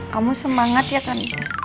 kamu semangat ya kan